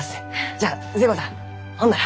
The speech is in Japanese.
じゃあ寿恵子さんほんなら。